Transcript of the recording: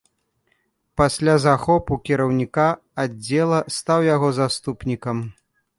Пасля захопу кіраўніка аддзела стаў яго заступнікам.